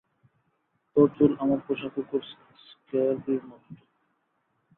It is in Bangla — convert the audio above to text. তোর চুল আমার পোষা কুকুর স্ক্র্যাগির মতো।